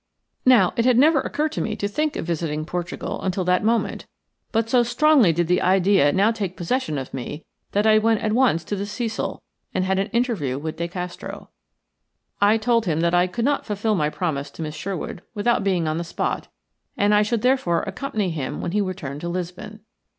Now, it had never occurred to me to think of visiting Portugal until that moment; but so strongly did the idea now take possession of me that I went at once to the Cecil and had an interview with De Castro. I told him that I could not fulfil my promise to Miss Sherwood without being on the spot, and I should therefore accompany him when he returned to Lisbon.